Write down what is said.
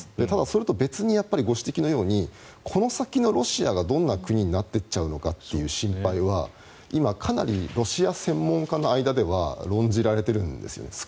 ただ、それと別にご指摘のようにこの先のロシアがどんな国になっていっちゃうのかという心配は今、かなりロシア専門家の間では論じられているんですよね。